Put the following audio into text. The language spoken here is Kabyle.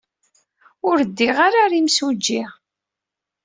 Ur ddiɣ ara ɣer yimsujji.